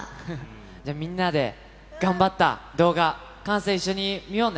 じゃあみんなで頑張った動画、完成、一緒に見ようね。